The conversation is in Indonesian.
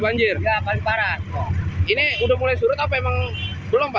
ini sudah mulai surut apa emang belum pak